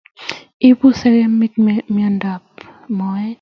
Ibu sukumek miando ab moet